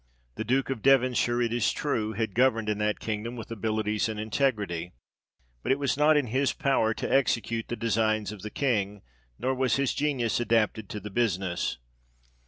The Duke of Devonshire, it is true, had governed in that kingdom with abilities and integrity, but it was not in his power to execute the designs of the King, nor was his genius adapted to the business.